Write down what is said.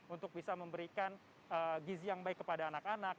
untuk bisa memberikan gizi yang baik kepada anak anak